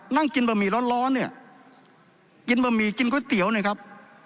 นั่งกินบะหมี่ร้อนเนี่ยกินบะหมี่กินก๋วยเตี๋ยวเนี่ยครับ